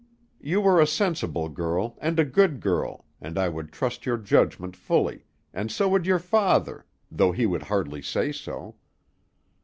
You are a sensible girl, and a good girl, and I would trust your judgment fully, and so would your father, though he would hardly say so.